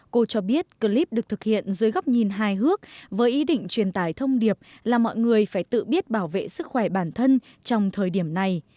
cô cho biết clip được thực hiện dưới góc nhìn hài hước với ý định truyền tải thông điệp là mọi người phải tự biết bảo vệ sức khỏe bản thân trong thời điểm này